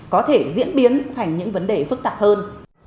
có thể diễn biến thành những vấn đề phức tạp hơn